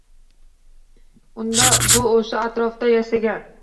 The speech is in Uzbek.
Unda bu oʻsha atrofda yashagan